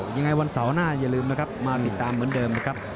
วันเสาร์หน้าอย่าลืมนะครับมาติดตามเหมือนเดิมนะครับ